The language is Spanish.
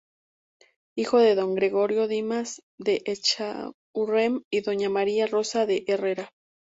Hijo de don Gregorio Dimas de Echaurren y doña María Rosa de Herrera.